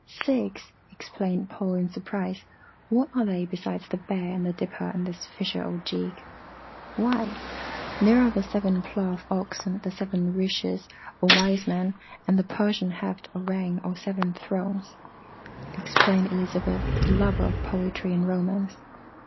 "Six!" exclaimed Paul in surprise. "What are they besides the Bear and the Dipper and this Fisher Ojeeg?" "Why, there are the Seven Plough Oxen, The Seven Rishis, or Wise Men, and the Persian Heft Aurang or Seven Thrones," explained Elizabeth, the lover of poetry and romance.